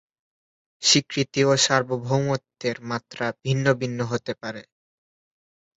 স্বীকৃতি ও সার্বভৌমত্বের মাত্রা ভিন্ন ভিন্ন হতে পারে।